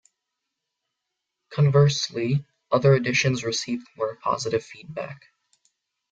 Conversely, other additions received more positive feedback.